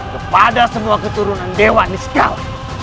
kepada semua keturunan dewa niskal